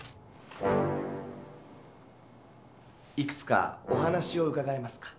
いくつかお話をうかがえますか？